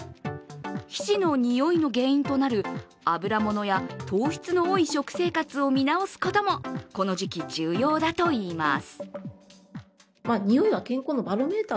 皮脂のにおいの原因となる油ものや糖質の多い食生活を見直すことも、この時期、重要だといいます。